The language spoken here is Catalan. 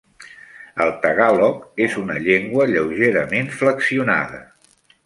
El tagàlog és una llengua lleugerament flexionada.